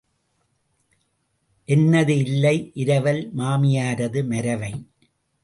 என்னது இல்லை இரவல், மாமியாரது மரவை.